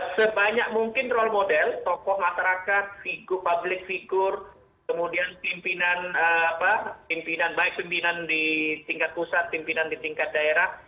sebanyak mungkin role model tokoh masyarakat figu public figure kemudian pimpinan baik pimpinan di tingkat pusat pimpinan di tingkat daerah